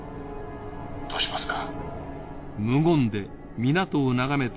どうしますか？